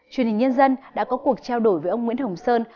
truyền hình nhân dân đã có cuộc trao đổi với ông nguyễn hồng sơn